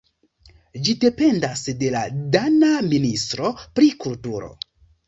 Ĝi dependas de la dana ministro pri kulturo.